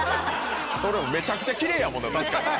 それもめちゃくちゃキレイやもんな確かに。